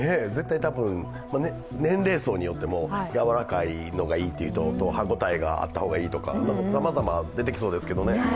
年齢層によっても、柔らかいのがいいという人と歯応えがあった方がいいとかさまざま出てきそうですけどね。